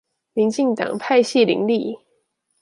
民進黨派系林立